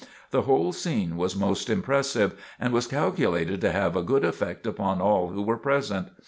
The whole scene was most impressive, and was calculated to have a good effect upon all who were present.